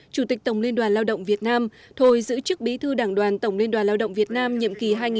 chủ tịch tổng liên đoàn lao động việt nam thồi giữ chức bí thư đảng đoàn tổng liên đoàn lao động việt nam